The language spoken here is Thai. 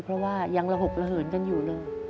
เพราะว่ายังระหกระเหินกันอยู่เลย